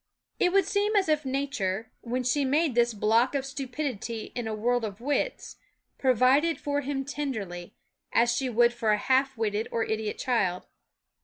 It would seem as if Nature, when she made this block of stupidity in a world of wits, provided for him tenderly, as she would for a half witted or idiot child.